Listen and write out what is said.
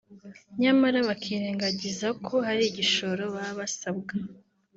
nyamara bakirengagiza ko hari igishoro baba basabwa